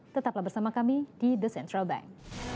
tetaplah bersama kami di the central bank